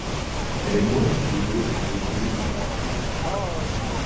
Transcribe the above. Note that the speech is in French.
Elle est moins utilisée dans les décennies suivantes.